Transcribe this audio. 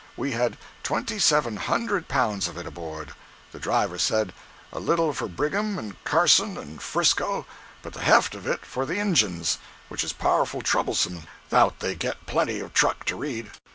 We had twenty seven hundred pounds of it aboard, the driver said—"a little for Brigham, and Carson, and 'Frisco, but the heft of it for the Injuns, which is powerful troublesome 'thout they get plenty of truck to read."